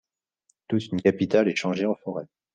Toute une capitale est changée en forêt ;